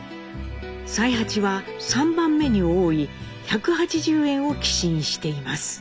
才八は３番目に多い１８０円を寄進しています。